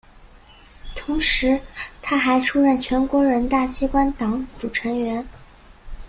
同时她还出任全国人大机关党组成员。